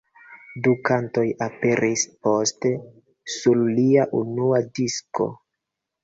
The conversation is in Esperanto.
Du kantoj aperis poste sur lia unua disko.